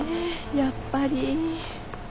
やっぱり。